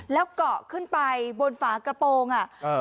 แล้วเกาะขึ้นไปบนฝากระโปรงอ่ะ